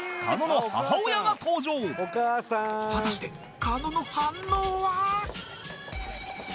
果たして狩野の反応は